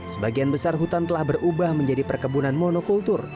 sebagian besar hutan telah berubah menjadi perkebunan monokultur